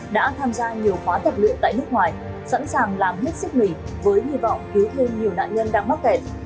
đã tham gia nhiều khóa tập luyện tại nước ngoài sẵn sàng làm hết sức mình với hy vọng cứu thêm nhiều nạn nhân đang mắc kẹt